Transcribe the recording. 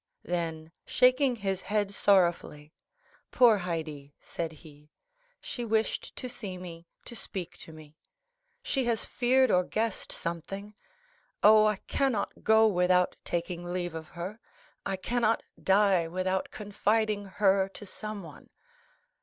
Then, shaking his head sorrowfully, "Poor Haydée," said he; "she wished to see me, to speak to me; she has feared or guessed something. Oh, I cannot go without taking leave of her; I cannot die without confiding her to someone."